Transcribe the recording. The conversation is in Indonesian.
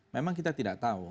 memang kita tidak tahu